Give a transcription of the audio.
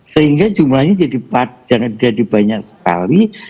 sehingga jumlahnya jadi banyak sekali